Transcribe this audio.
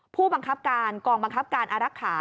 ผู้บังคับการกองบังคับการอารักษา